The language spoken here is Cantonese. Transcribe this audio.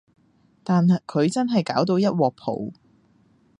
但佢真係搞到一鑊泡